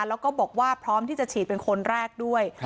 แล้วก็บอกว่าพร้อมที่จะฉีดเป็นคนแรกด้วย